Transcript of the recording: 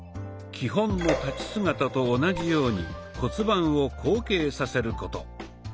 基本の立ち姿と同じように骨盤を後傾させること。